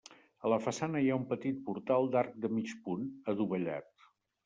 A la façana hi ha un petit portal d'arc de mig punt, adovellat.